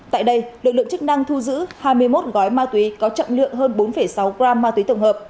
tại đây lực lượng chức năng thu giữ hai mươi một gói ma túy có trọng lượng hơn bốn sáu gram ma túy tổng hợp